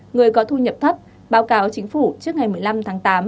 người có thu nhập thấp báo cáo chính phủ trước ngày một mươi năm tháng tám